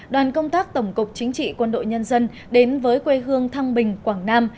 đoàn công tác tổng cục chính trị quân đội nhân dân đến với quê hương thăng bình quảng nam